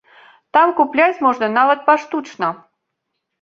Там купляць можна нават паштучна.